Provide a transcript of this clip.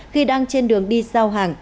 khi đang trên đường đi giao hàng